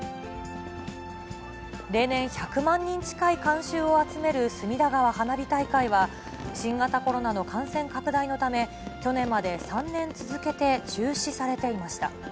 例年、１００万人近い観衆を集める隅田川花火大会は、新型コロナの感染拡大のため、去年まで３年続けて中止されていました。